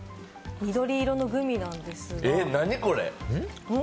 緑色のグミなんですけど。